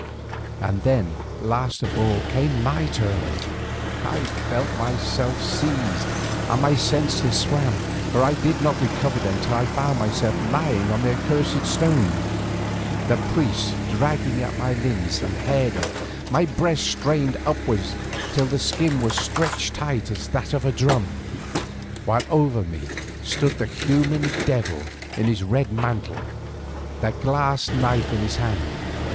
And then last of all came my turn. I felt myself seized and my senses swam, nor did I recover them till I found myself lying on the accursed stone, the priests dragging at my limbs and head, my breast strained upwards till the skin was stretched tight as that of a drum, while over me stood the human devil in his red mantle, the glass knife in his hand.